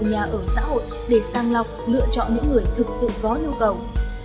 nhà ở xã hội để sang lọc lựa chọn những người thực sự có nhu cầu